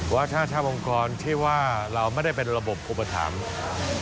ว่าถ้าองค์กรที่ว่าเราไม่ได้เป็นระบบอุปถัมภ์